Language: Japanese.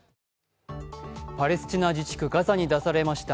パレスチナ自治区ガザに出されました